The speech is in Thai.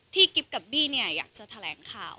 ที่กิ๊บกับบี้เนี่ยอยากจะแถลงข่าว